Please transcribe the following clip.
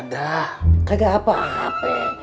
udah kagak apa apa